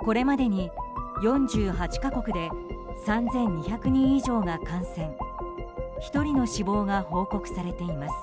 これまでに４８か国で３２００人以上が感染１人の死亡が報告されています。